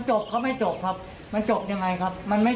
จะพาคุณผู้ชมไปดูบรรยากาศตอนที่เจ้าหน้าที่เข้าไปในบ้าน